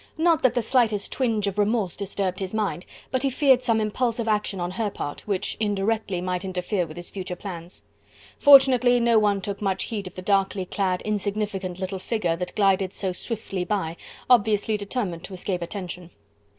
Not that the slightest twinge of remorse disturbed his mind, but he feared some impulsive action on her part, which indirectly might interfere with his future plans. Fortunately no one took much heed of the darkly clad, insignificant little figure that glided so swiftly by, obviously determined to escape attention.